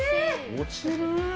落ちる―。